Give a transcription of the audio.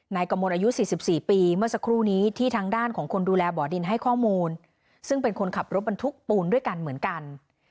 กระมวลอายุ๔๔ปีเมื่อสักครู่นี้ที่ทางด้านของคนดูแลบ่อดินให้ข้อมูลซึ่งเป็นคนขับรถบรรทุกปูนด้วยกันเหมือนกัน